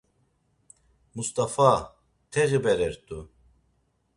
Must̆afa… T̆eği berert̆u.